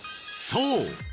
そう！